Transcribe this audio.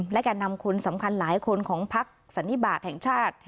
และแก่นำคนสำคัญหลายคนของพักสันนิบาทแห่งชาติ